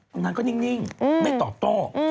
อ้ำท่านก็นิ่งไม่ตอบต้อง